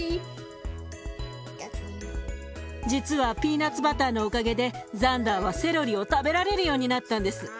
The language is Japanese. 実はピーナツバターのおかげでザンダーはセロリを食べられるようになったんです。